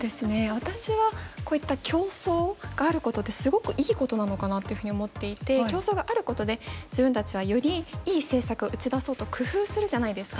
私はこういった競争があることってすごくいいことなのかなっていうふうに思っていて競争があることで自分たちはよりいい政策を打ち出そうと工夫するじゃないですか。